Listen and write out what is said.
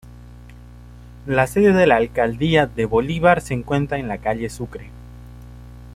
La sede de la alcaldía de Bolívar se encuentra en la Calle Sucre.